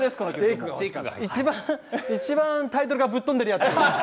いちばんタイトルがぶっ飛んでいるやつ。